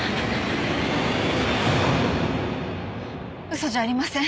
嘘じゃありません！